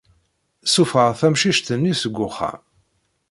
Ssufɣeɣ tamcict-nni seg uxxam.